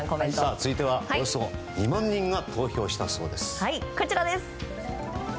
続いてはおよそ２万人が投票したそうです。